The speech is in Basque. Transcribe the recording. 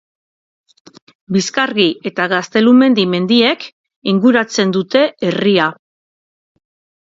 Bizkargi eta Gaztelumendi mendiek inguratzen dute herria.